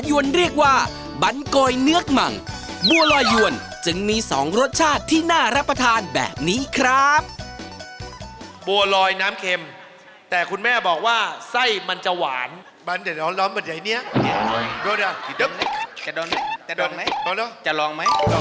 เห้ยไม่เคยกินอย่างนี้มาก่อนจริง